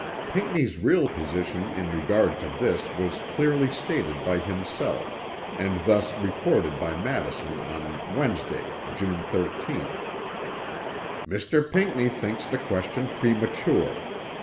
Pinckney's real position in regard to this was clearly stated by himself and thus recorded by Madison on Wednesday, June 13th; "Mr. Pinckney thinks the question premature.